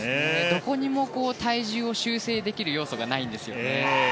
どこにも体重を修正できる要素がないんです。